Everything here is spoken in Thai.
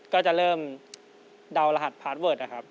ก็จะเริ่มเดารหัสพาร์ทเวิร์ด